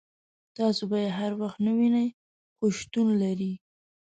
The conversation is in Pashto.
تاسو به یې هر وخت نه وینئ خو شتون لري.